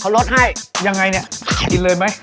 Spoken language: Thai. เขารสให้อย่างไรนี่กินเลยไหม